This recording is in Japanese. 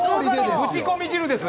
ぶちこみ汁です。